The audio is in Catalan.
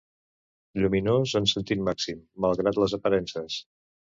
Lluminós en sentit màxim, malgrat les aparences.